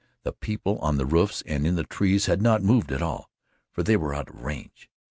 The people on the roofs and in the trees had not moved at all, for they were out of range.